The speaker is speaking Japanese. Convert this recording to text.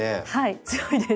強いです。